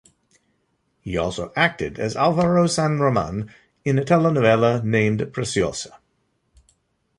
He also acted as Alvaro San Roman in a telenovela named "Preciosa".